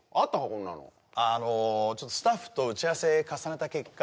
こんなのあのスタッフと打ち合わせ重ねた結果